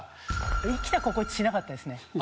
生きた心地しなかったですね。